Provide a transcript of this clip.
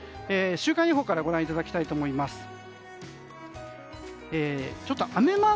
週間予報からご覧いただきたいと思います。